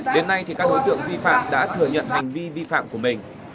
đến nay các đối tượng vi phạm đã thừa nhận hành vi vi phạm của mình